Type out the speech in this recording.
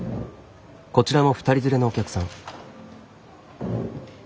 こちらも２人連れのお客さん。